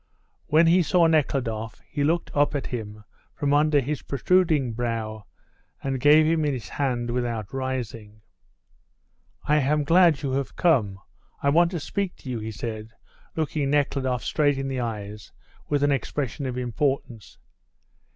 When he saw Nekhludoff he looked up at him from under his protruding brow, and gave him his hand without rising. "I am glad you have come; I want to speak to you," he said, looking Nekhludoff straight in the eyes with an expression of importance.